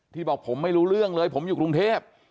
บอกผมไม่รู้เรื่องเลยผมอยู่กรุงเทพ